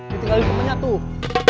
kita tinggal di rumahnya tuh